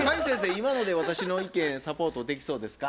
今ので私の意見サポートできそうですか？